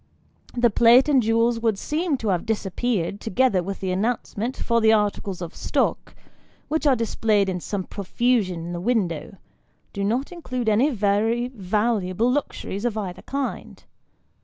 The plate and jewels would seem to have disappeared, together with the announcement, for the articles of stock, which are displayed in some profusion in the window, do not include any very valuable luxuries of either kind.